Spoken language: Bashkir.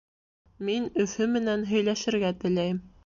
Мин Өфө менән һөйләшергә теләйем